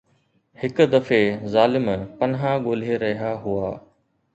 هڪ دفعي ظالم پناهه ڳولي رهيا هئا.